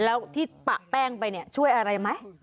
แล้วที่เป้าไปช่วยอะไรไหม